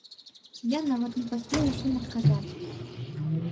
Я нават не паспеў усім адказаць.